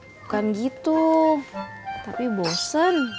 bukan gitu tapi bosen